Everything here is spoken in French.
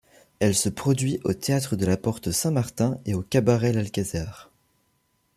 Elle se produit au Théâtre de la Porte-Saint-Martin et au cabaret L'Alcazar.